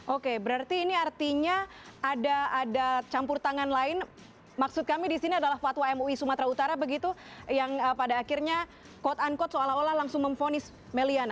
oke berarti ini artinya ada campur tangan lain maksud kami disini adalah fatwa mui sumatera utara begitu yang pada akhirnya quote unquote seolah olah langsung memfonis meliana